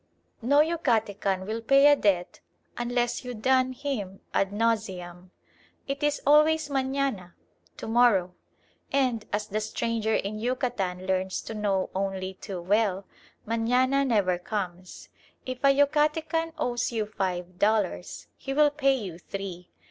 No Yucatecan will pay a debt unless you dun him ad nauseam. It is always "mañana" (to morrow), and, as the stranger in Yucatan learns to know only too well, mañana never comes. If a Yucatecan owes you five dollars, he will pay you three.